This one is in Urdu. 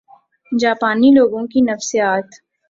جاپانی لوگوں کی نفسیات